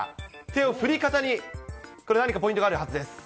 手の振り方に、これ、何かポイントがあるはずです。